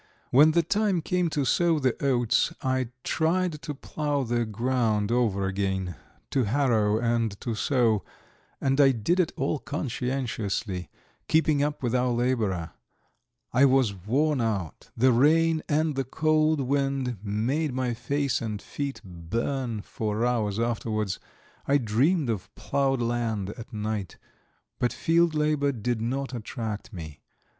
When the time came to sow the oats I tried to plough the ground over again, to harrow and to sow, and I did it all conscientiously, keeping up with our labourer; I was worn out, the rain and the cold wind made my face and feet burn for hours afterwards. I dreamed of ploughed land at night. But field labour did not attract me.